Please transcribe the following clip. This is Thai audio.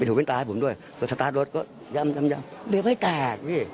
ไปถูกเป็นตาให้ผมด้วยก็สตาร์ทรถก็ย่ำย่ำย่ำเบียบไว้แตกพี่